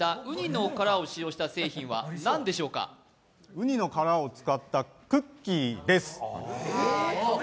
ウニの殻を使ったクッキーです。